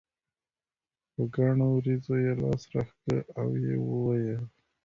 په ګڼو وريځو یې لاس راښکه او یې وویل.